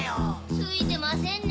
ツイてませんね。